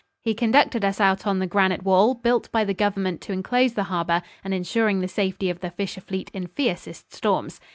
He conducted us out on the granite wall, built by the Government to enclose the harbor and insuring the safety of the fisher fleet in fiercest storms.